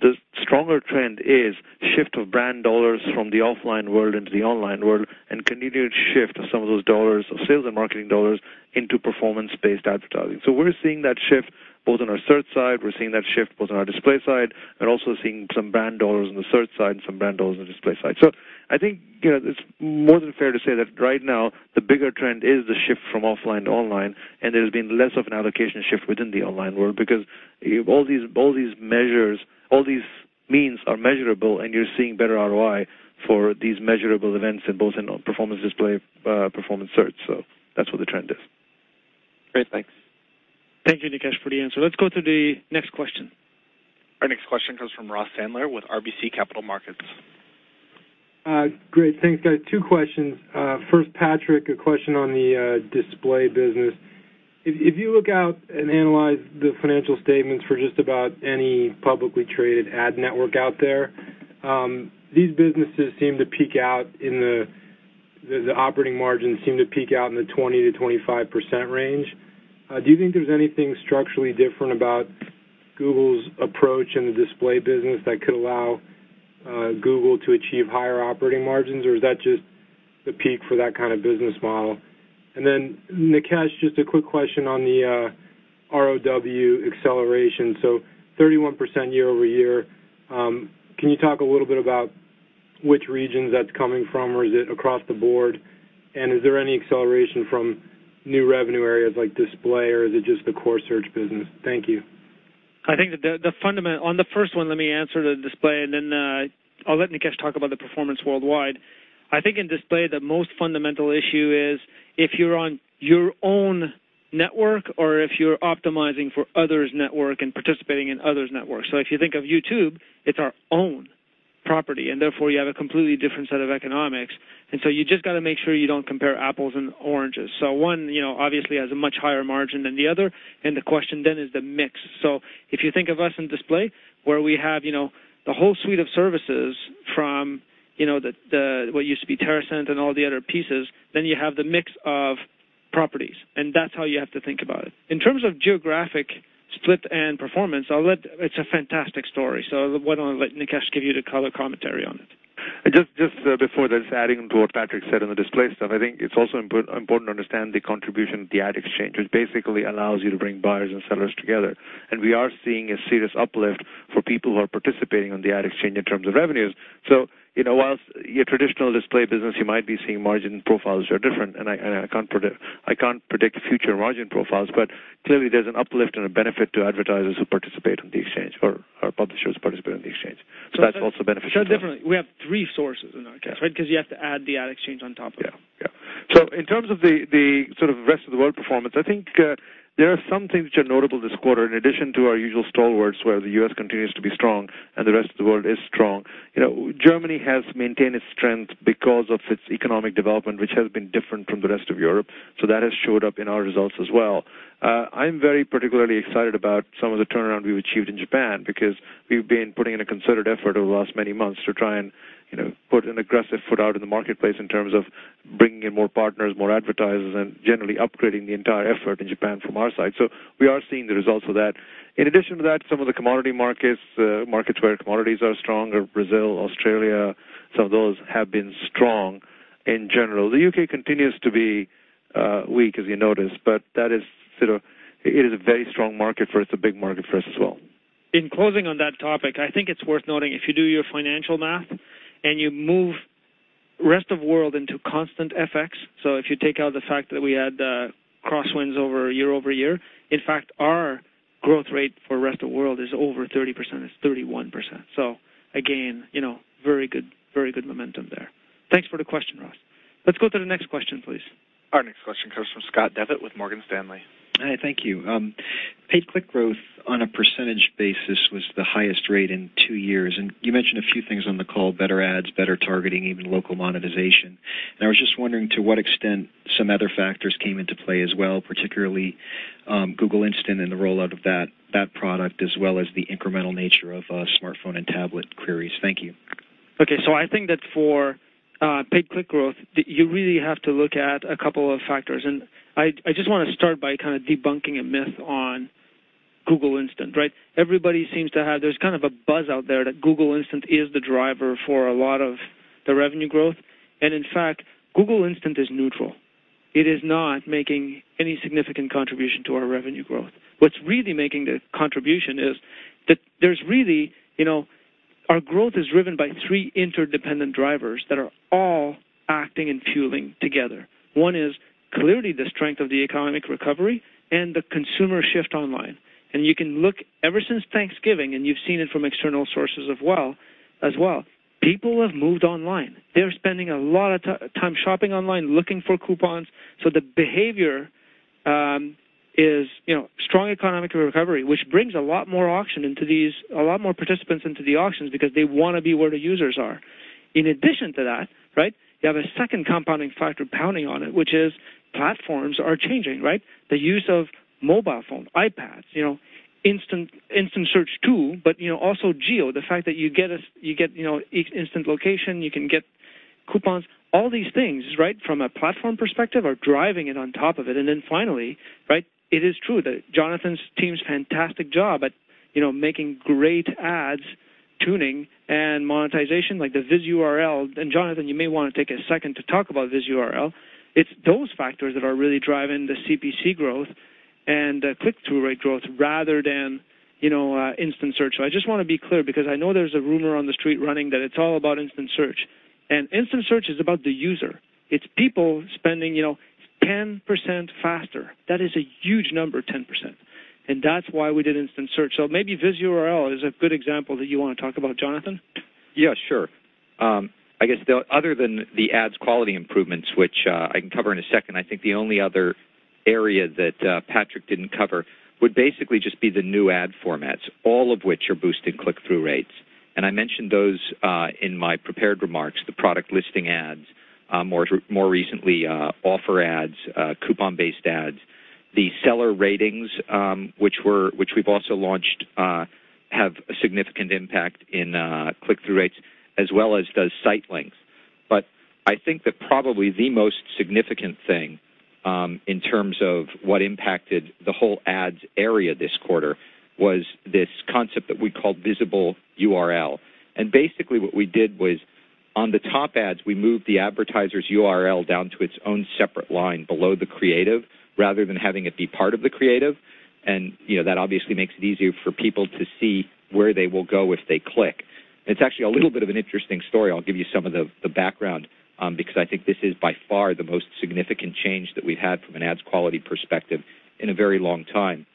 the stronger trend is shift of brand dollars from the offline world into the online world and continued shift of some of those dollars of sales and marketing dollars into performance-based advertising. So we're seeing that shift both on our search side. We're seeing that shift both on our Display side. We're also seeing some brand dollars on the search side and some brand dollars on the Display side. So I think it's more than fair to say that right now, the bigger trend is the shift from offline to online, and there has been less of an allocation shift within the online world because all these means are measurable, and you're seeing better ROI for these measurable events in both performance Display, performance search, so that's what the trend is. Great. Thanks. Thank you, Nikesh, for the answer. Let's go to the next question. Our next question comes from Ross Sandler with RBC Capital Markets. Great. Thanks, guys. Two questions. First, Patrick, a question on the display business. If you look out and analyze the financial statements for just about any publicly traded ad network out there, these businesses seem to peak out in the operating margin in the 20%-25% range. Do you think there's anything structurally different about Google's approach in the display business that could allow Google to achieve higher operating margins, or is that just the peak for that kind of business model? And then, Nikesh, just a quick question on the ROW acceleration. So 31% year over year. Can you talk a little bit about which regions that's coming from, or is it across the board? And is there any acceleration from new revenue areas like display, or is it just the core search business? Thank you. I think the fundamental on the first one. Let me answer the display, and then I'll let Nikesh talk about the performance worldwide. I think in display, the most fundamental issue is if you're on your own network or if you're optimizing for others' network and participating in others' network. So if you think of YouTube, it's our own property, and therefore, you have a completely different set of economics. And so you just got to make sure you don't compare apples and oranges. So one obviously has a much higher margin than the other, and the question then is the mix. So if you think of us in display, where we have the whole suite of services from what used to be Teracent and all the other pieces, then you have the mix of properties, and that's how you have to think about it. In terms of geographic split and performance, it's a fantastic story. So why don't I let Nikesh give you the color commentary on it? Just before this, adding to what Patrick said on the display stuff, I think it's also important to understand the contribution of the ad exchange, which basically allows you to bring buyers and sellers together. And we are seeing a serious uplift for people who are participating on the ad exchange in terms of revenues. So while your traditional display business, you might be seeing margin profiles that are different, and I can't predict future margin profiles, but clearly, there's an uplift and a benefit to advertisers who participate in the exchange or publishers who participate in the exchange. So that's also beneficial. Definitely, we have three sources in our case, right? Because you have to add the ad exchange on top of it. Yeah. Yeah. So in terms of the sort of rest of the world performance, I think there are some things which are notable this quarter in addition to our usual stalwarts where the U.S. continues to be strong and the rest of the world is strong. Germany has maintained its strength because of its economic development, which has been different from the rest of Europe. So that has showed up in our results as well. I'm very particularly excited about some of the turnaround we've achieved in Japan because we've been putting in a concerted effort over the last many months to try and put an aggressive foot out in the marketplace in terms of bringing in more partners, more advertisers, and generally upgrading the entire effort in Japan from our side. So we are seeing the results of that. In addition to that, some of the commodity markets, markets where commodities are stronger, Brazil, Australia, some of those have been strong in general. The UK continues to be weak, as you noticed, but that is sort of it. It is a very strong market for us. It's a big market for us as well. In closing on that topic, I think it's worth noting if you do your financial math and you move the rest of the world into constant FX, so if you take out the fact that we had crosswinds year over year, in fact, our growth rate for the rest of the world is over 30%. It's 31%. So again, very good momentum there. Thanks for the question, Ross. Let's go to the next question, please. Our next question comes from Scott Devitt with Morgan Stanley. Hi. Thank you. Paid click growth on a percentage basis was the highest rate in two years, and you mentioned a few things on the call: better ads, better targeting, even local monetization, and I was just wondering to what extent some other factors came into play as well, particularly Google Instant and the rollout of that product, as well as the incremental nature of smartphone and tablet queries. Thank you. Okay. So I think that for paid click growth, you really have to look at a couple of factors. I just want to start by kind of debunking a myth on Google Instant, right? Everybody seems to think there's kind of a buzz out there that Google Instant is the driver for a lot of the revenue growth. In fact, Google Instant is neutral. It is not making any significant contribution to our revenue growth. What's really making the contribution is that there's really our growth is driven by three interdependent drivers that are all acting and fueling together. One is clearly the strength of the economic recovery and the consumer shift online. You can look ever since Thanksgiving, and you've seen it from external sources as well. People have moved online. They're spending a lot of time shopping online, looking for coupons. The behavior is strong economic recovery, which brings a lot more auctions into these, a lot more participants into the auctions because they want to be where the users are. In addition to that, right, you have a second compounding factor pounding on it, which is platforms are changing, right? The use of mobile phone, iPads, Instant Search too, but also geo, the fact that you get Instant Location, you can get coupons. All these things, right, from a platform perspective are driving it on top of it. And then finally, right, it is true that Jonathan's team's fantastic job at making great ads, tuning, and monetization, like the Visible URL. And Jonathan, you may want to take a second to talk about Visible URL. It's those factors that are really driving the CPC growth and the click-through rate growth rather than Instant Search. So I just want to be clear because I know there's a rumor on the street running that it's all about Instant Search. And Instant Search is about the user. It's people spending 10% faster. That is a huge number, 10%. And that's why we did Instant Search. So maybe Visible URL is a good example that you want to talk about, Jonathan? Yeah, sure. I guess other than the ads quality improvements, which I can cover in a second, I think the only other area that Patrick didn't cover would basically just be the new ad formats, all of which are boosting click-through rates, and I mentioned those in my prepared remarks, the Product Listing Ads, more recently offer ads, coupon-based ads. The seller ratings, which we've also launched, have a significant impact in click-through rates, as well as does sitelinks, but I think that probably the most significant thing in terms of what impacted the whole ads area this quarter was this concept that we called Visible URL. And basically, what we did was on the top ads, we moved the advertiser's URL down to its own separate line below the creative rather than having it be part of the creative. And that obviously makes it easier for people to see where they will go if they click. It's actually a little bit of an interesting story. I'll give you some of the background because I think this is by far the most significant change that we've had from an ads quality perspective in a very long time.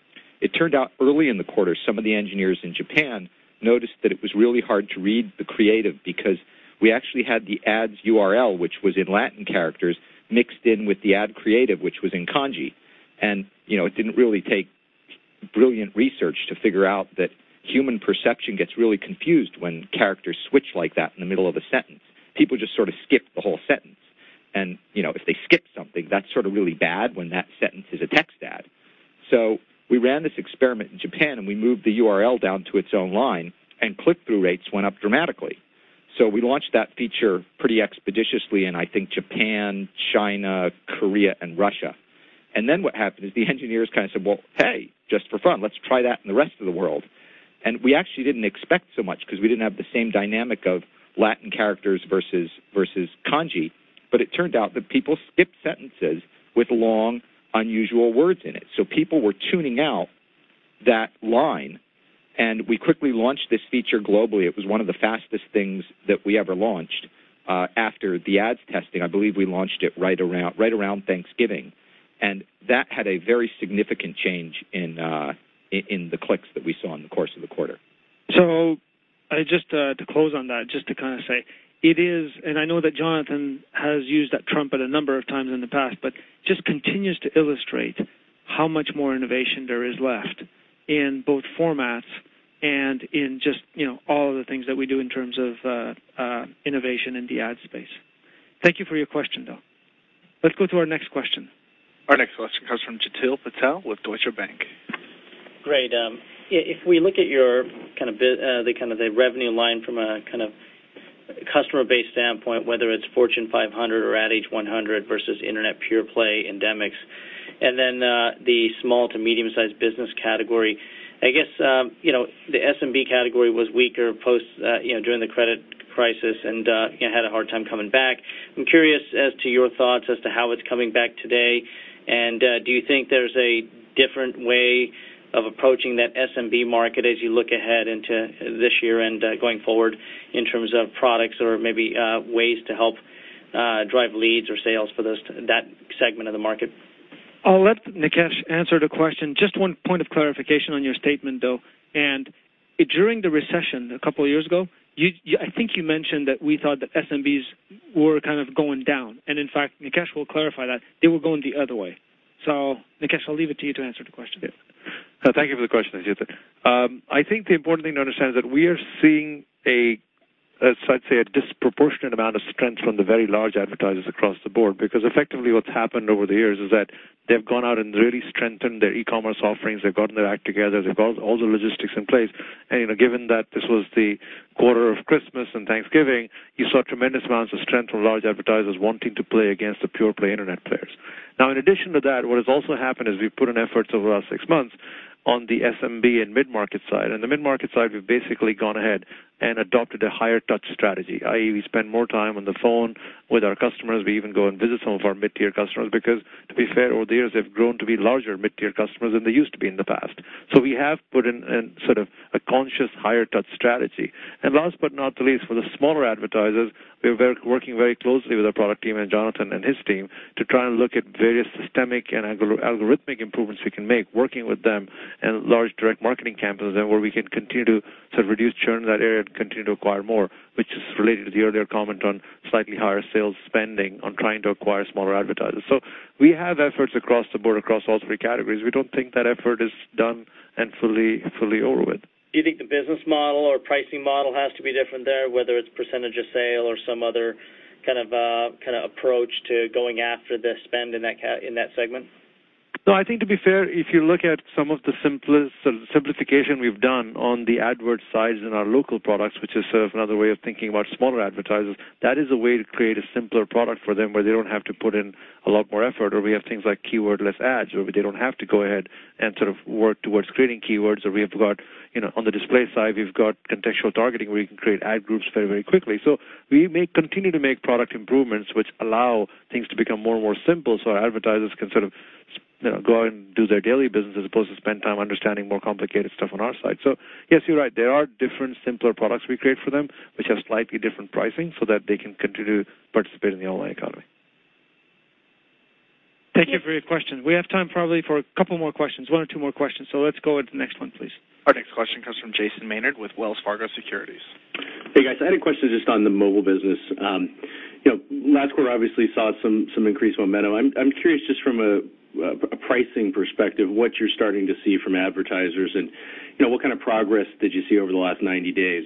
It turned out early in the quarter, some of the engineers in Japan noticed that it was really hard to read the creative because we actually had the ads URL, which was in Latin characters, mixed in with the ad creative, which was in Kanji. And it didn't really take brilliant research to figure out that human perception gets really confused when characters switch like that in the middle of a sentence. People just sort of skip the whole sentence. If they skip something, that's sort of really bad when that sentence is a text ad. We ran this experiment in Japan, and we moved the URL down to its own line, and click-through rates went up dramatically. We launched that feature pretty expeditiously in, I think, Japan, China, Korea, and Russia. Then what happened is the engineers kind of said, "Well, hey, just for fun, let's try that in the rest of the world." We actually didn't expect so much because we didn't have the same dynamic of Latin characters versus Kanji. It turned out that people skipped sentences with long, unusual words in it. People were tuning out that line. We quickly launched this feature globally. It was one of the fastest things that we ever launched after the ads testing. I believe we launched it right around Thanksgiving. That had a very significant change in the clicks that we saw in the course of the quarter. So, just to close on that, just to kind of say, it is, and I know that Jonathan has used that trumpet a number of times in the past, but just continues to illustrate how much more innovation there is left in both formats and in just all of the things that we do in terms of innovation in the ad space. Thank you for your question, though. Let's go to our next question. Our next question comes from Jeetil Patel with Deutsche Bank. Great. If we look at your kind of the revenue line from a kind of customer-based standpoint, whether it's Fortune 500 or Ad Age 100 versus Internet pure-play endemics, and then the small to medium-sized business category, I guess the SMB category was weaker during the credit crisis and had a hard time coming back. I'm curious as to your thoughts as to how it's coming back today, and do you think there's a different way of approaching that SMB market as you look ahead into this year and going forward in terms of products or maybe ways to help drive leads or sales for that segment of the market? I'll let Nikesh answer the question. Just one point of clarification on your statement, though, and during the recession a couple of years ago, I think you mentioned that we thought that SMBs were kind of going down. And in fact, Nikesh will clarify that. They were going the other way. So Nikesh, I'll leave it to you to answer the question. Yeah. Thank you for the question, Jeetil. I think the important thing to understand is that we are seeing, let's say, a disproportionate amount of strength from the very large advertisers across the board because effectively what's happened over the years is that they've gone out and really strengthened their e-commerce offerings. They've gotten their act together. They've got all the logistics in place. And given that this was the quarter of Christmas and Thanksgiving, you saw tremendous amounts of strength from large advertisers wanting to play against the pure-play internet players. Now, in addition to that, what has also happened is we've put in efforts over the last six months on the SMB and mid-market side. And the mid-market side, we've basically gone ahead and adopted a higher-touch strategy, i.e., we spend more time on the phone with our customers. We even go and visit some of our mid-tier customers because, to be fair, over the years, they've grown to be larger mid-tier customers than they used to be in the past. So we have put in sort of a conscious higher-touch strategy. And last but not the least, for the smaller advertisers, we're working very closely with our product team and Jonathan and his team to try and look at various systemic and algorithmic improvements we can make, working with them and large direct marketing companies where we can continue to sort of reduce churn in that area and continue to acquire more, which is related to the earlier comment on slightly higher sales spending on trying to acquire smaller advertisers. So we have efforts across the board across all three categories. We don't think that effort is done and fully over with. Do you think the business model or pricing model has to be different there, whether it's percentage of sale or some other kind of approach to going after the spend in that segment? No, I think to be fair, if you look at some of the simplification we've done on the ad size in our local products, which is sort of another way of thinking about smaller advertisers, that is a way to create a simpler product for them where they don't have to put in a lot more effort, or we have things like keywordless ads where they don't have to go ahead and sort of work towards creating keywords, or we have got on the display side, we've got contextual targeting where you can create ad groups very, very quickly, so we may continue to make product improvements which allow things to become more and more simple so our advertisers can sort of go and do their daily business as opposed to spend time understanding more complicated stuff on our side, so yes, you're right. There are different simpler products we create for them which have slightly different pricing so that they can continue to participate in the online economy. Thank you for your question. We have time probably for a couple more questions, one or two more questions. So let's go with the next one, please. Our next question comes from Jason Maynard with Wells Fargo Securities. Hey, guys. I had a question just on the mobile business. Last quarter, obviously, saw some increased momentum. I'm curious just from a pricing perspective what you're starting to see from advertisers and what kind of progress did you see over the last 90 days,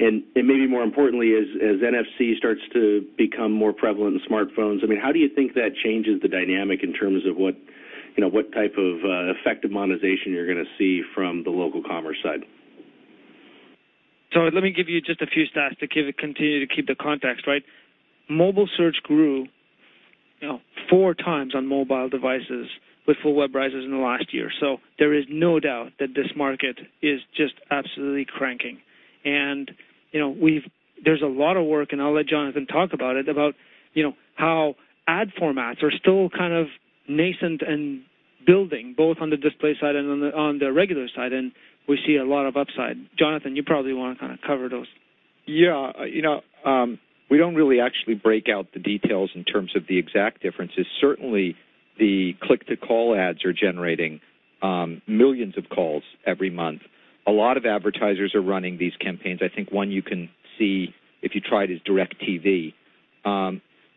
and maybe more importantly, as NFC starts to become more prevalent in smartphones, I mean, how do you think that changes the dynamic in terms of what type of effective monetization you're going to see from the local commerce side? So let me give you just a few stats to continue to keep the context, right? Mobile search grew four times on mobile devices with full web browsers in the last year. So there is no doubt that this market is just absolutely cranking. And there's a lot of work, and I'll let Jonathan talk about it, about how ad formats are still kind of nascent and building both on the display side and on the regular side. And we see a lot of upside. Jonathan, you probably want to kind of cover those. Yeah. We don't really actually break out the details in terms of the exact differences. Certainly, the click-to-call ads are generating millions of calls every month. A lot of advertisers are running these campaigns. I think one you can see if you try it is DIRECTV.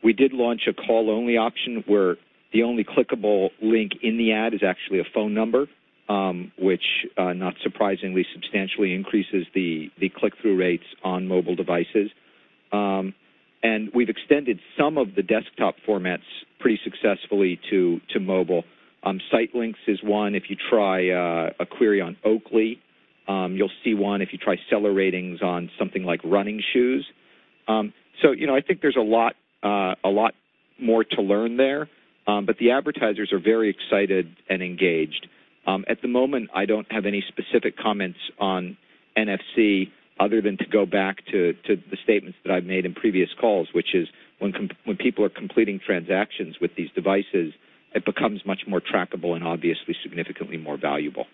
We did launch a call-only option where the only clickable link in the ad is actually a phone number, which, not surprisingly, substantially increases the click-through rates on mobile devices. And we've extended some of the desktop formats pretty successfully to mobile. Sitelinks is one. If you try a query on Oakley, you'll see one. If you try seller ratings on something like running shoes. So I think there's a lot more to learn there. But the advertisers are very excited and engaged. At the moment, I don't have any specific comments on NFC other than to go back to the statements that I've made in previous calls, which is when people are completing transactions with these devices, it becomes much more trackable and obviously significantly more valuable.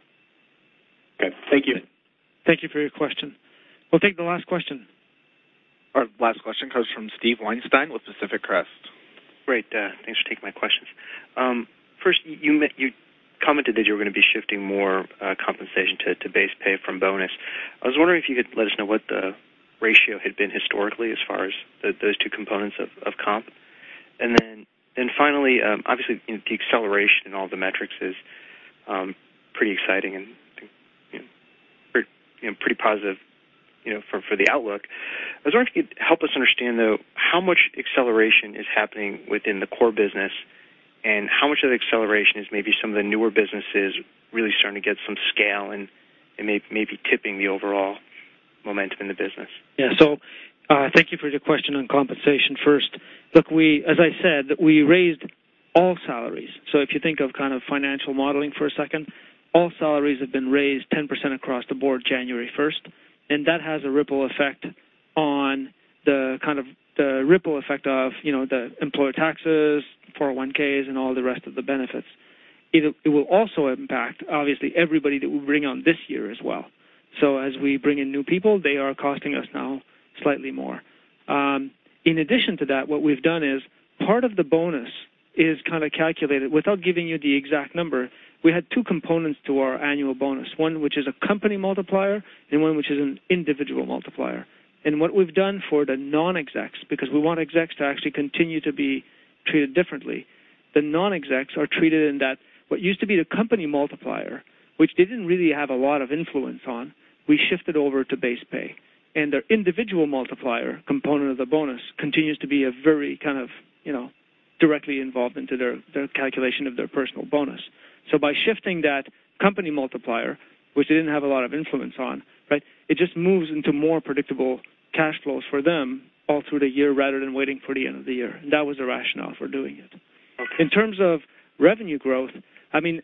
Okay. Thank you. Thank you for your question. We'll take the last question. Our last question comes from Steve Weinstein with Pacific Crest. Great. Thanks for taking my questions. First, you commented that you were going to be shifting more compensation to base pay from bonus. I was wondering if you could let us know what the ratio had been historically as far as those two components of comp. And then finally, obviously, the acceleration in all the metrics is pretty exciting and pretty positive for the outlook. I was wondering if you could help us understand, though, how much acceleration is happening within the core business and how much of the acceleration is maybe some of the newer businesses really starting to get some scale and maybe tipping the overall momentum in the business. Yeah. So thank you for your question on compensation first. Look, as I said, we raised all salaries. So if you think of kind of financial modeling for a second, all salaries have been raised 10% across the board January 1st. And that has a ripple effect on the kind of ripple effect of the employer taxes, 401(k)s, and all the rest of the benefits. It will also impact, obviously, everybody that we bring on this year as well. So as we bring in new people, they are costing us now slightly more. In addition to that, what we've done is part of the bonus is kind of calculated without giving you the exact number. We had two components to our annual bonus, one which is a company multiplier and one which is an individual multiplier. What we've done for the non-execs, because we want execs to actually continue to be treated differently, the non-execs are treated in that what used to be the company multiplier, which they didn't really have a lot of influence on, we shifted over to base pay. Their individual multiplier component of the bonus continues to be a very kind of directly involved into their calculation of their personal bonus. By shifting that company multiplier, which they didn't have a lot of influence on, right, it just moves into more predictable cash flows for them all through the year rather than waiting for the end of the year. That was the rationale for doing it. In terms of revenue growth, I mean,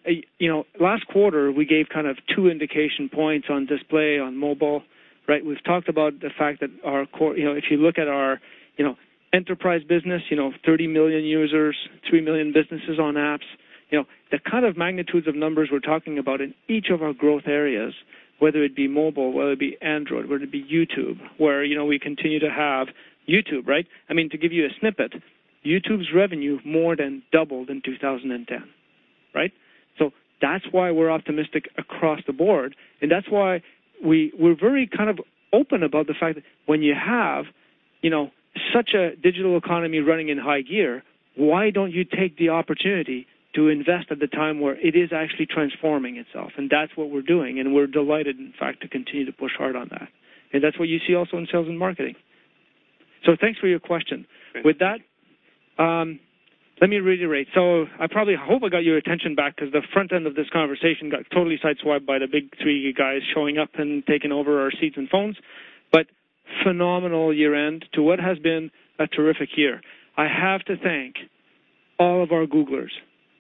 last quarter, we gave kind of two indication points on display on mobile, right? We've talked about the fact that if you look at our enterprise business, 30 million users, three million businesses on apps, the kind of magnitudes of numbers we're talking about in each of our growth areas, whether it be mobile, whether it be Android, whether it be YouTube, where we continue to have YouTube, right? I mean, to give you a snippet, YouTube's revenue more than doubled in 2010, right? So that's why we're optimistic across the board. And that's why we're very kind of open about the fact that when you have such a digital economy running in high gear, why don't you take the opportunity to invest at the time where it is actually transforming itself? And that's what we're doing. And we're delighted, in fact, to continue to push hard on that. And that's what you see also in sales and marketing. So thanks for your question. With that, let me reiterate, so I probably hope I got your attention back because the front end of this conversation got totally sideswiped by the big three guys showing up and taking over our seats and phones, but phenomenal year-end to what has been a terrific year. I have to thank all of our Googlers.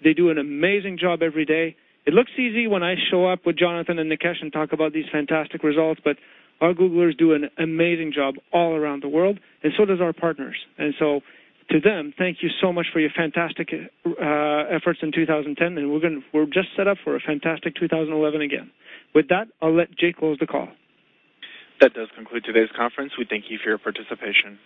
They do an amazing job every day. It looks easy when I show up with Jonathan and Nikesh and talk about these fantastic results, but our Googlers do an amazing job all around the world, and so does our partners, and so to them, thank you so much for your fantastic efforts in 2010, and we're just set up for a fantastic 2011 again. With that, I'll let Jane close the call. That does conclude today's conference. We thank you for your participation.